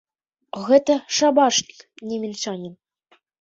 Гэта шабашнік, не мінчанін.